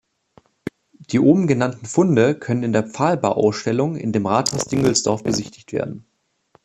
Die oben genannten Funde können in der Pfahlbau-Ausstellung in dem Rathaus Dingelsdorf besichtigt werden.